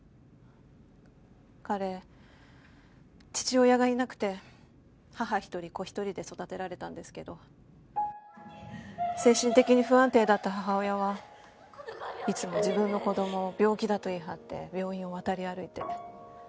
彼父親がいなくて母一人子一人で育てられたんですけど精神的に不安定だった母親はいつも自分の子供を病気だと言い張って病院を渡り歩いて。